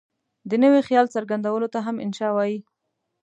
د نوي خیال څرګندولو ته هم انشأ وايي.